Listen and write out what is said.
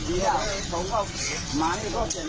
ดูดิดูดูเวลานี้ค่อยกี่โมง